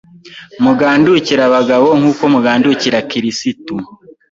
Mugandukire abagabo nk’uko mugandukira Kirisitu